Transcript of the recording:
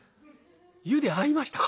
「湯で会いましたか？